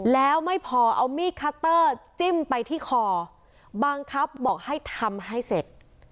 แล้วไม่พอเอามีดคัตเตอร์จิ้มไปที่คอบังคับบอกให้ทำให้เสร็จ